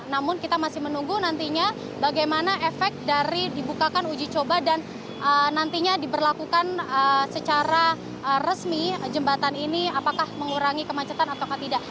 namun kita masih menunggu nantinya bagaimana efek dari dibukakan uji coba dan nantinya diberlakukan secara resmi jembatan ini apakah mengurangi kemacetan atau tidak